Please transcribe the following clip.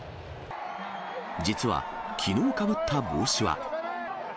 実はきのうかぶった帽子は。